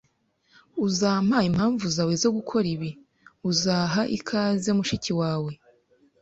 Uzampa impamvu zawe zo gukora ibi? Uzaha ikaze mushiki wawe?